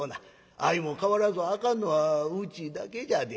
相も変わらずあかんのはうちだけじゃで」。